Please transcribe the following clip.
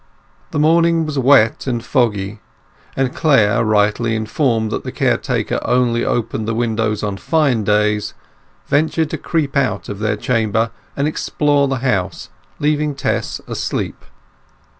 The morning was wet and foggy, and Clare, rightly informed that the caretaker only opened the windows on fine days, ventured to creep out of their chamber and explore the house, leaving Tess asleep.